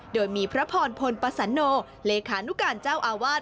โดยมีพระพรพลปสันโนเลขานุการเจ้าอาวาส